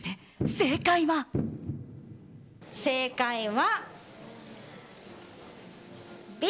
正解はＢ！